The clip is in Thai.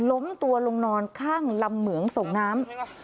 ล้มตัวลงนอนข้างลำเหมืองส่งน้ำ